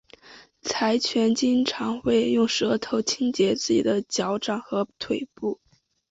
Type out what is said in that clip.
柴犬经常会用舌头清洁自己的脚掌和腿部。